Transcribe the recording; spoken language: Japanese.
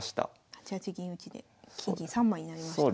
８八銀打で金銀３枚になりましたね。